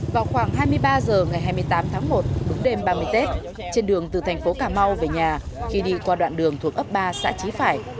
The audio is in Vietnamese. vào khoảng hai mươi ba h ngày hai mươi tám tháng một đúng đêm ba mươi tết trên đường từ thành phố cà mau về nhà khi đi qua đoạn đường thuộc ấp ba xã trí phải